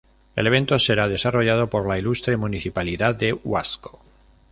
El evento será desarrollado por la Ilustre Municipalidad de Huasco.